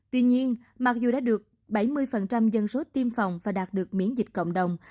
tuy nhiên mặc dù đã được bảy mươi dân số tiêm phòng và đạt được miễn dịch cộng đồng